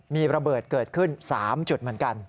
มีระเบิดเกิดขึ้น๓จุดเหมือนกัน